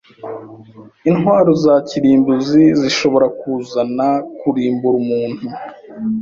Intwaro za kirimbuzi zishobora kuzana kurimbura umuntu.